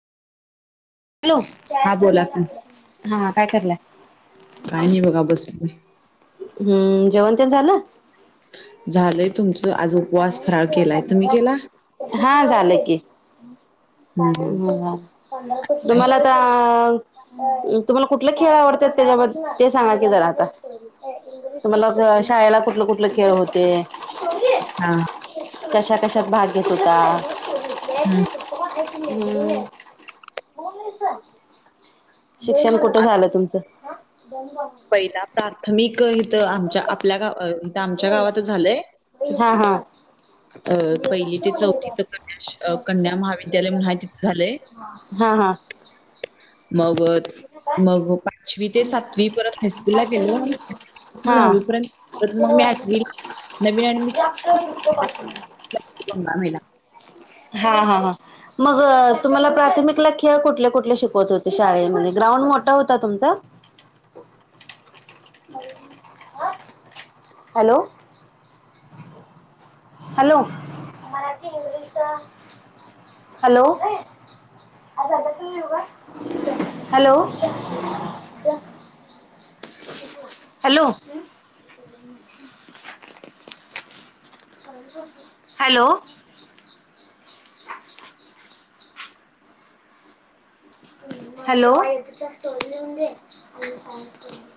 Hello, हा बोला की हा काय करालाय? [unintelligible] ला बसले हम्म, जेवण तेन झालं. झालय केला हा झालं की. हम्म काय तुम्हाला आता तुम्हाला कुठलं खेळ आवडतेत त्याच्याबद् ते सांगा की जरा आता. तुम्हाला शाळेला कुठलं कुठलं खेळ होते? हा. कशा कशात भाग घेत होता.? हम्म. हम्म. शिक्षण कुठं आम्ही झालं तुमचं? पहिला प्राथमिक हिथं आमच्या आपल्या गाव इथं आमच्या गावातच झालंय. हा हा अ पहिली ते चौथी तर कन्या श- अ, कन्या महाविद्यालय म्हणून आहे तिथं झालंय [unintelligible] हा हा. मग मग पाचवी ते सातवी परत हायस्कूल ला गेलो. हा दहावीपर्यंत [unintelligible] [inaudible] [unintelligible] पुन्हा मेला. हा हा हा. मग तुम्हाला प्राथमिकला खेळ कुठले कुठले शिकवत होते शाळेमध्ये ग्राउंड मोठा होता तुमचा. [unintelligible] Hello hello Marathi English hello [unintelligible] hello [unintelligible] hello [unintelligible] hello [unintelligible] hello [unintelligible]